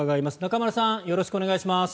よろしくお願いします。